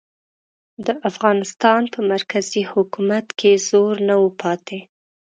د افغانستان په مرکزي حکومت کې زور نه و پاتې.